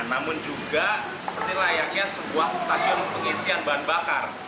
namun juga seperti layaknya sebuah stasiun pengisian bahan bakar